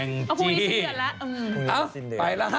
เอ้าไปแล้วสวัสดีครับ